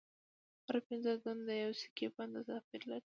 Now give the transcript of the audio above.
هر پنځه ګون د یوې سکې په اندازه پیر لري